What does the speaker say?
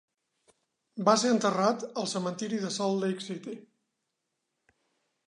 Va ser enterrat al cementiri de Salt Lake City.